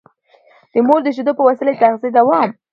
د مور د شېدو په وسيله د تغذيې دوام